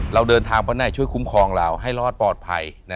เราเดินทางไปไหนช่วยคุ้มครองเราให้รอดปลอดภัย